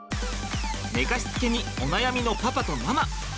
寝かしつけにお悩みのパパとママ！